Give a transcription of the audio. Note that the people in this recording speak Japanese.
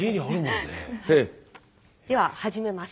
では始めます。